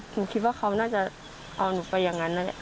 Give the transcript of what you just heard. หนูคิดว่าเขาน่าจะเอาหนูไปอย่างนั้นนั่นแหละ